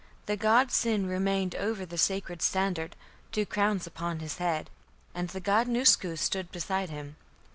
The god Sin remained over the (sacred) standard, two crowns upon his head, (and) the god Nusku stood beside him.